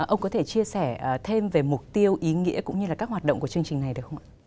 ông có thể chia sẻ thêm về mục tiêu ý nghĩa cũng như là các hoạt động của chương trình này được không ạ